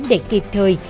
để kịp thời